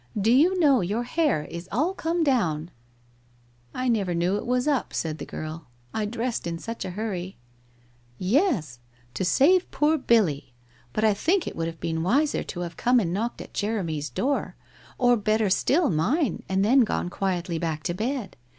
Do you know your hair is all come down ?' I I never knew it was up,' said the girl, ' I dressed in such a hurry '•* Yes, to save poor Billy. But I think it would have been wiser to have come and knocked at Jeremy's door, or better still, mine, and then gone quietly back to bed.